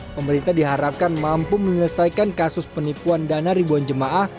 pemerintah diharapkan mampu menyelesaikan kasus penipuan dana ribuan jemaah